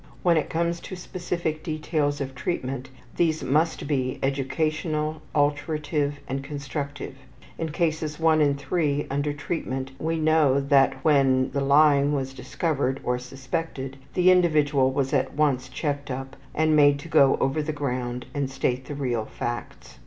When it comes to specific details of treatment these must be educational, alterative, and constructive. In Cases 1 and 3 under treatment we know that when the lying was discovered or suspected the individual was at once checked up and made to go over the ground and state the real facts.